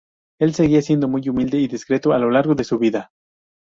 Él seguía siendo muy humilde y discreto a lo largo de su vida.